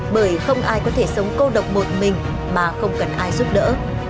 bởi không ai có thể sống cô độc một mình mà không cần ai giúp đỡ